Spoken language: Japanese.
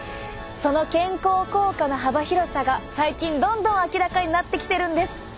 その健康効果の幅広さが最近どんどん明らかになってきてるんです。